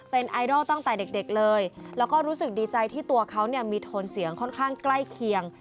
เป็นไอดอลตั้งแต่เด็กเลยแล้วก็รู้สึกดีใจที่ตัวเขาเนี่ยมีโทนเสียงค่อนข้างใกล้เคียง